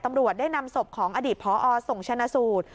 ตำรวจได้นำศพของอดีตพอส่งชนะสูตร